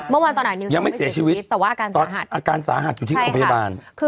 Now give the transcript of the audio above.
เมื่อวานตอนไหนนิ้วยังไม่เสียชีวิตแต่ว่าอาการสาหัสอาการสาหัสอยู่ที่โรงพยาบาล